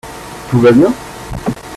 Tout va bien ?